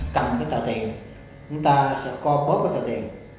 cầm cái tờ tiền chúng ta sẽ co bóp cái tờ tiền